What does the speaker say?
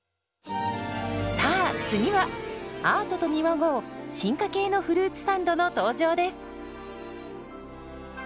さあ次はアートと見まごう進化系のフルーツサンドの登場です。